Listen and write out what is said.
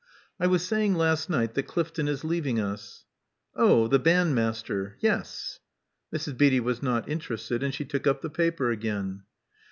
I was saying last night that Clifton is leaving us." Oh, the bandmaster! Yes." Mrs. Beatty was not interested, and she took up the paper again.